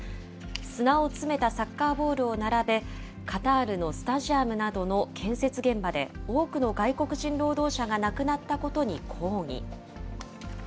砂を詰めたサッカーボールを並べ、カタールのスタジアムなどの建設現場で多くの外国人労働者が亡くなったことに抗議。